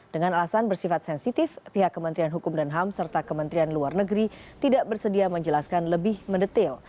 dengan alasan bersifat sensitif pihak kementerian hukum dan ham serta kementerian luar negeri tidak bersedia menjelaskan lebih mendetail